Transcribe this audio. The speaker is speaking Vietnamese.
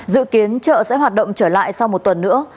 dự kiến chợ sẽ hoạt động trở lại sau một tuần nữa